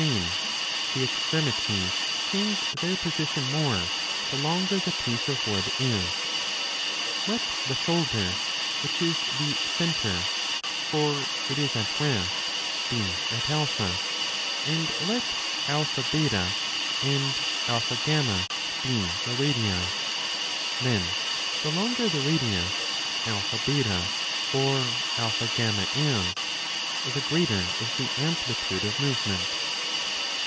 same, the extremities change their position more the longer the piece of wood is. Let the shoulder, which is the centre 30 (for it is at rest), be at A, and let AB and AF be the radii ; then the longer the radius AB or AF is, the greater is the amplitude of movement.